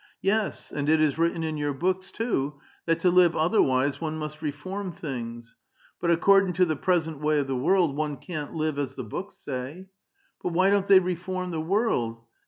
Yes, and it is written in j'our books, ^ too, that to live otherwise one must reform things ; but ac • cordin' to the present way of the world one can't live as the books say. But why don't they reform the world?